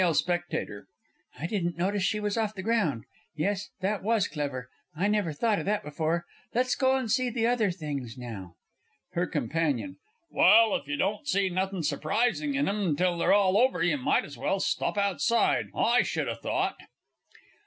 S. I didn't notice she was off the ground yes that was clever. I never thought o' that before. Let's go and see the other things now. HER COMP. Well, if you don't see nothing surprising in 'em till they're all over, you might as well stop outside, I should ha' thought.